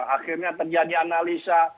akhirnya terjadi analisa